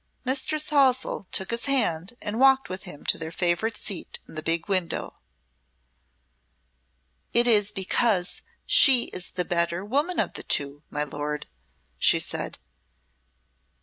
Mistress Halsell took his hand and walked with him to their favourite seat in the big window. "It is because she is the better woman of the two, my lord," she said.